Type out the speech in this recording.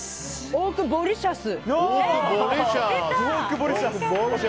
オオクボリシャス！